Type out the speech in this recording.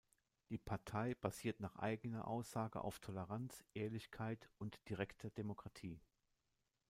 Die Partei basiert nach eigener Aussage auf Toleranz, Ehrlichkeit und direkter Demokratie.